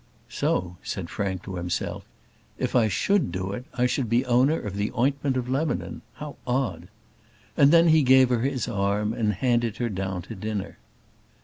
"So," said Frank to himself, "if I should do it, I should be owner of the ointment of Lebanon: how odd!" And then he gave her his arm and handed her down to dinner.